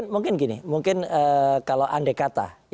mungkin gini mungkin kalau andai kata